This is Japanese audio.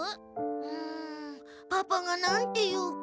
うんパパが何て言うか。